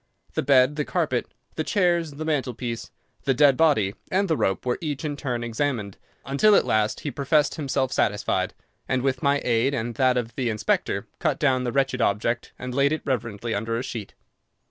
The bed, the carpet, the chairs the mantelpiece, the dead body, and the rope were each in turn examined, until at last he professed himself satisfied, and with my aid and that of the inspector cut down the wretched object and laid it reverently under a sheet.